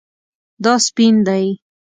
دا سپین دی